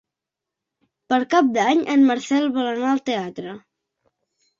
Per Cap d'Any en Marcel vol anar al teatre.